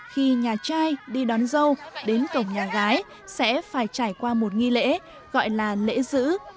khi nhà trai đi đón dâu đến cổng nhà gái sẽ phải trải qua một nghi lễ gọi là lễ giữ